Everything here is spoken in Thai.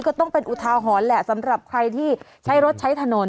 ก็ต้องเป็นอุทาหรณ์แหละสำหรับใครที่ใช้รถใช้ถนน